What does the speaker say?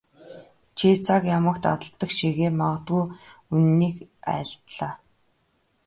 Чи цаг ямагт айлддаг шигээ мадаггүй үнэнийг айлдлаа.